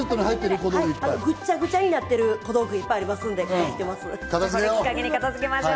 ぐっちゃぐちゃになってる小道具がいっぱいありますんで、片付けます。